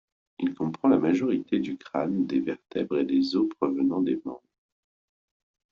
Il comprend la majorité du crâne, des vertèbres et des os provenant des membres.